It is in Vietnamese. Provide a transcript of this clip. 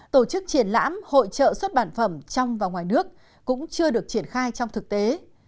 tổ chức triển lãm hội trợ xuất bản phẩm trong và ngoài nước cũng chưa được triển khai trong thực tế